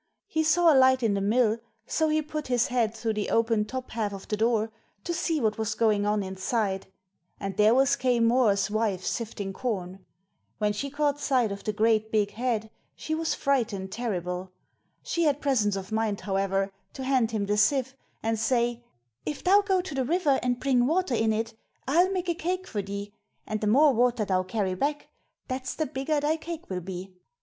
He saw a light in the mill, so he put his head through the open top half of the door to see what was going on inside, and there was Quaye Mooar's wife sifting corn. When she caught sight of the great big head she was frightened terrible. She had presence of mind, however, to hand him the sieve and say: 'If thou go to the river and bring water in it, I'll make a cake for thee; and the more water thou carry back, that's the bigger thy cake will be.'